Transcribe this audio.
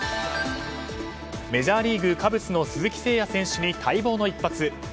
メジャーリーグカブスの鈴木誠也選手に待望の一発。